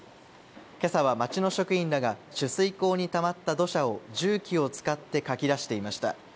今朝は町の職員らが取水口にたまった土砂を重機を使ってかき出していました。